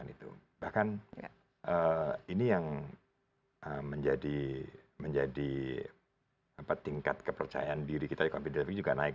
itu bahkan ini yang menjadi tingkat kepercayaan diri kita juga naik